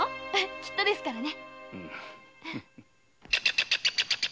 きっとですからね。